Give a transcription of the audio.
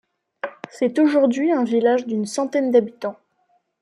C'est aujourd'hui un village d'une centaine d'habitants.